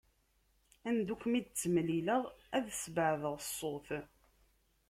Anda ur kem-id-ttemlileɣ, ad sbeɛdeɣ ṣṣut.